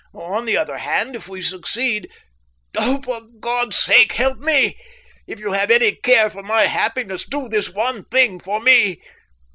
On the other hand, if we succeed…. Oh, for God's sake, help me! If you have any care for my happiness do this one thing for me."